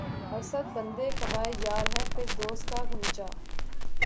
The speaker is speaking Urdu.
اسد! بندِ قباے یار‘ ہے فردوس کا غنچہ